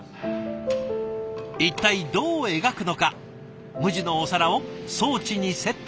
一体どう描くのか無地のお皿を装置にセットして。